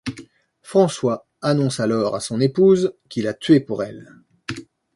François annonce alors à son épouse qu'il a tué pour elle.